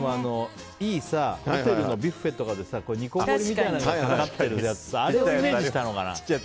いいホテルのビュッフェとかで煮こごりみたいになってるやつあれをイメージしたのかな。